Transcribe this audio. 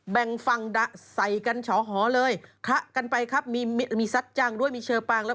แบ่งฟังดะใส่กันเฉาหอเลยคละกันไปครับมีมีซัดจังด้วยมีเชอปางแล้ว